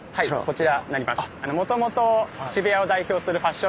こちらになります。